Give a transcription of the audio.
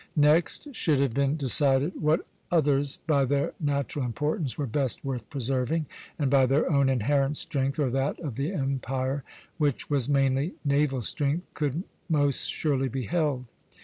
Next should have been decided what others by their natural importance were best worth preserving, and by their own inherent strength, or that of the empire, which was mainly naval strength, could most surely be held.